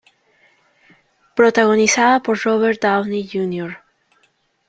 Protagonizada por Robert Downey Jr.